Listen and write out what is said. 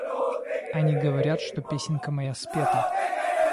Они говорят, что песенка моя спета.